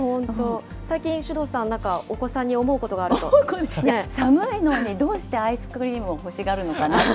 最近、首藤さん、お子さんに寒いのに、どうしてアイスクリームを欲しがるのかなって。